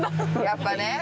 やっぱね。